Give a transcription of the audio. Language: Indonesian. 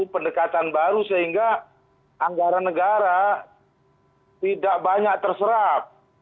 pendekatan baru sehingga anggaran negara tidak banyak terserap